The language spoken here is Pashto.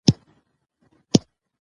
پاچاهان را ته بخښي لوی جاګیرونه